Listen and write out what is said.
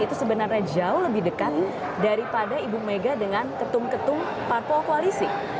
itu sebenarnya jauh lebih dekat daripada ibu megat dengan ketum ketum pak polkoalisi